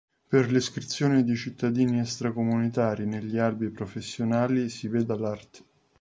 Per l'iscrizione di cittadini extracomunitari negli albi professionali si veda l'art.